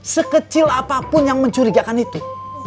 sekecil apapun yang mencurigakan itu